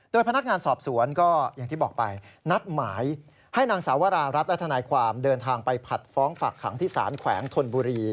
พนักงานสอบสวนก็อย่างที่บอกไปนัดหมายให้นางสาวรารัฐและทนายความเดินทางไปผัดฟ้องฝากขังที่ศาลแขวงธนบุรี